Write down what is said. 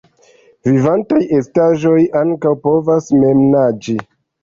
Vivantaj estaĵoj ankaŭ povas mem naĝi.